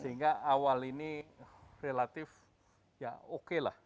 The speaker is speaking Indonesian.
sehingga awal ini relatif ya oke lah